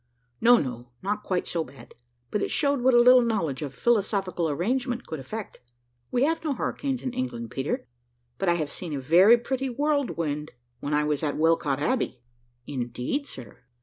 "No, no, not quite so bad but it showed what a little knowledge of philosophical arrangement could effect. We have no hurricanes in England, Peter; but I have seen a very pretty whirlwind when I was at Welcot Abbey." "Indeed, sir."